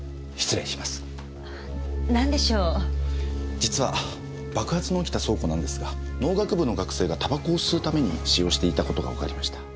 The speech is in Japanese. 実は爆発の起きた倉庫なんですが農学部の学生が煙草を吸うために使用していたことがわかりました。